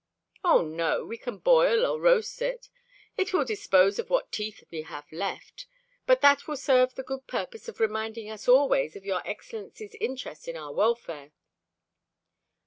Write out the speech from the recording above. "Oh, no, we can boil or roast it. It will dispose of what teeth we have left, but that will serve the good purpose of reminding us always of your excellency's interest in our welfare."